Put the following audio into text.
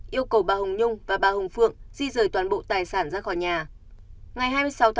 yêu cầu bà hồng nhung và bà hồng phượng di rời toàn bộ tài sản ra khỏi nhà